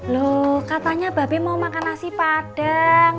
loh katanya babe mau makan nasi padang